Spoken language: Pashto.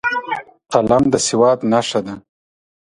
قلم د سواد نښه ده